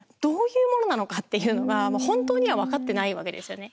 いったい、それがどういうものなのかっていうのが本当には分かってないわけですよね。